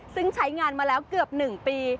ซึ่งใช้งานมาแล้วเกือบ๑ปี